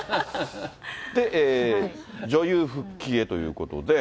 で、女優復帰へということで。